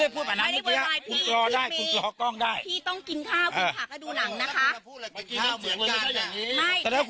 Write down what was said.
พี่ต้องกินข้างหนังน่ะ